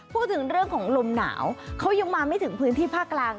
พูดถึงเรื่องของลมหนาวเขายังมาไม่ถึงพื้นที่ภาคกลาง